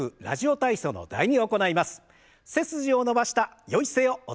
「ラジオ体操第２」。